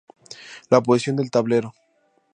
La posición del tablero.